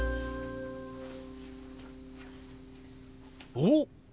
おっ！